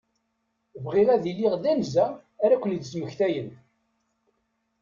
Bɣiɣ ad iliɣ d anza ara ken-id-yesmektayen.